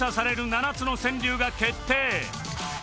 ７つの川柳が決定